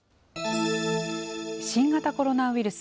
新型コロナウイルス。